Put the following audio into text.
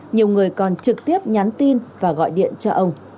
nhiều người còn trực tiếp nhắn tin và gọi điện cho ông